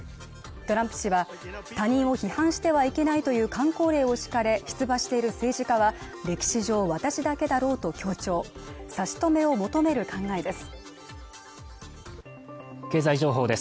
トランプ氏は他人を批判してはいけないというかん口令を敷かれ出馬している政治家は歴史上私だけだろうと強調差し止めを求める考えです